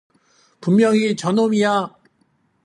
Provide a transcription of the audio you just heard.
분명히 저 놈이야.